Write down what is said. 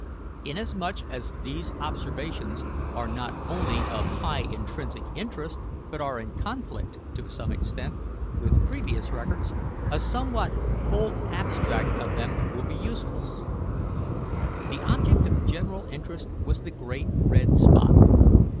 Inasmuch as these observations are not only of high intrinsic interest, but are in conflict, to some extent, with previous records, a somewhat full abstract of them will be useful: The object of general interest was the great red spot.